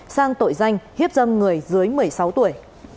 sang tội danh hiếp dâm người dưới một mươi sáu tuổi